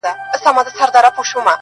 سرکار وايی لا اوسی خامخا په کرنتین کي!!